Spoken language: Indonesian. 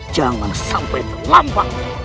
jangan sampai terlambat